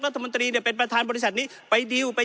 รัฐมนตรีเนี่ยเป็นประธานบริษัทนี้ไปดีลไป